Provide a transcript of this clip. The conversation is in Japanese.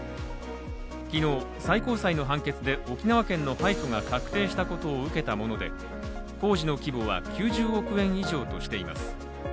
昨日、最高裁の判決で沖縄県の敗訴が確定したことを受けたもので工事の規模は９０億円以上としています。